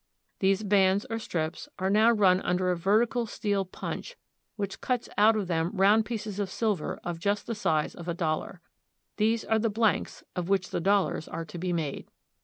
These bands or strips are now run under a vertical steel punch which cuts out of them round pieces of silver of just the size of a dollar. These are the blanks of which the dollars are to be made.